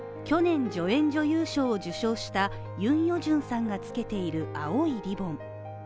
去年、助演女優賞を受賞したユン・ヨジョンさんが着けている青いリボン。